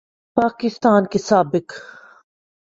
پاکستان کے سابق